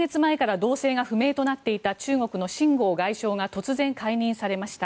１か月前から動静が不明となっていた中国の秦剛外相が突然、解任されました。